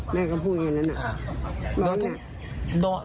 แม่ก็พูดอย่างนั้นน่ะ